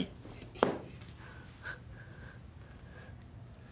はい。